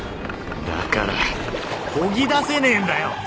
だからこぎ出せねえんだよ！